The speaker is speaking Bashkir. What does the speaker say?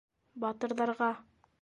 - Батырҙарға.